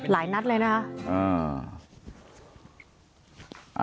หลายนัดเลยนะคะ